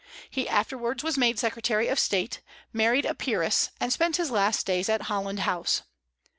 He afterwards was made secretary of state, married a peeress, and spent his last days at Holland House.